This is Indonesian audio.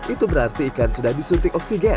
itu berarti ikan sudah disuntik oksigen